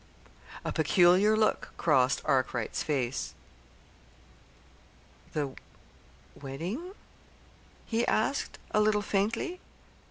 A peculiar look crossed Arkwright's face. "The wedding?" he asked, a little faintly.